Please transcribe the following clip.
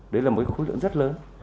đấy là một khối lượng rất lớn